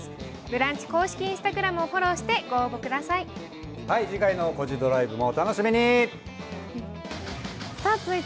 「ブランチ」公式Ｉｎｓｔａｇｒａｍをフォローしてご応募ください。